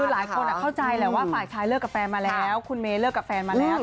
คือหลายคนเข้าใจแหละว่าฝ่ายชายเลิกกับแฟนมาแล้วคุณเมย์เลิกกับแฟนมาแล้ว